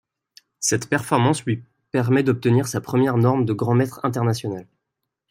Cette performance lui permet d'obtenir sa première norme de grand maître international.